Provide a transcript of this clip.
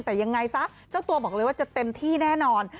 แต่ยังไงซะเจ้าตัวบอกเลยว่าจะเต็มที่แน่นอน